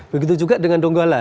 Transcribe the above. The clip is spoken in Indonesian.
begitu juga dengan donggala